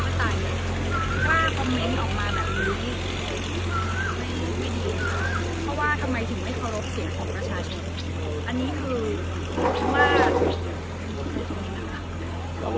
อันนี้คือเพราะว่าข้อมูลชนิดค่ะอ่า่โอเค